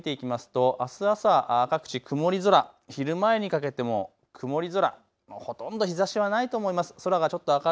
天気の分布で見ていきますとあす朝、各地、曇り空、昼前にかけても曇り空、ほとんど日ざしはないと思います。